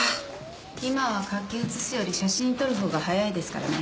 今は書き写すより写真撮るほうが早いですからね。